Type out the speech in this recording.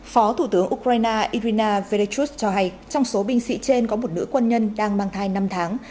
phó thủ tướng ukraine irina vechuz cho hay trong số binh sĩ trên có một nữ quân nhân đang mang thai năm tháng